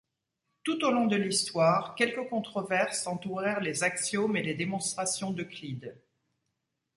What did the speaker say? Tout au long de l'Histoire, quelques controverses entourèrent les axiomes et les démonstrations d'Euclide.